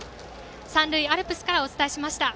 三塁アルプスからお伝えしました。